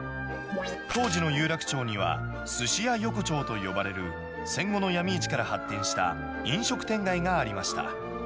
当時の有楽町には、すし屋横丁と呼ばれる戦後の闇市から発展した飲食店街がありました。